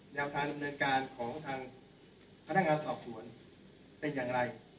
แนวทางดำเนินการของทางพนักงานสอบสวนเป็นอย่างไร